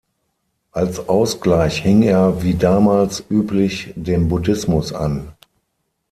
Als Ausgleich hing er wie damals üblich dem Buddhismus an.